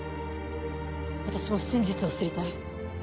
私も真実を知りたい。